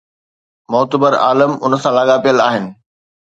معتبر عالم ان سان لاڳاپيل آهن.